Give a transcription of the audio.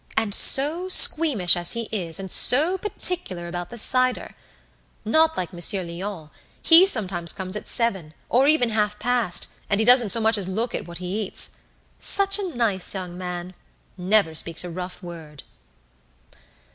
And so squeamish as he is, and so particular about the cider! Not like Monsieur Léon; he sometimes comes at seven, or even half past, and he doesn't so much as look at what he eats. Such a nice young man! Never speaks a rough word!"